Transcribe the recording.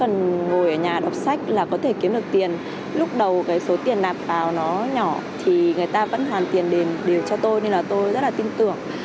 người ta vẫn hoàn tiền đều cho tôi nên là tôi rất là tin tưởng